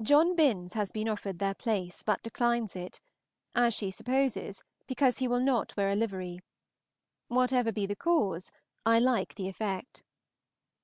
John Binns has been offered their place, but declines it; as she supposes, because he will not wear a livery. Whatever be the cause, I like the effect.